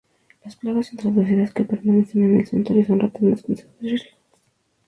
Las plagas introducidas que permanecen en el santuario son ratones, conejos y erizos.